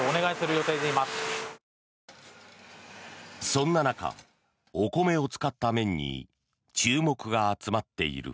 そんな中、お米を使った麺に注目が集まっている。